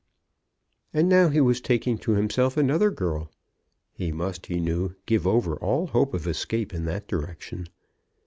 And now he was taking to himself another girl! He must, he knew, give over all hope of escape in that direction.